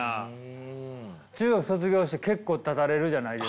中学卒業して結構たたれるじゃないですか。